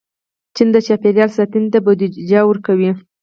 چین د چاپېریال ساتنې ته بودیجه ورکوي.